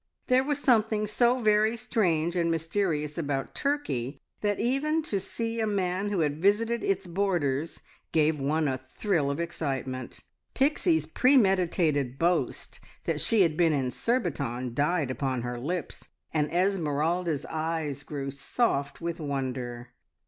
There was something so very strange and mysterious about Turkey that even to see a man who had visited its borders gave one a thrill of excitement. Pixie's premeditated boast that she had been in Surbiton died upon her lips, and Esmeralda's eyes grew soft with wonder.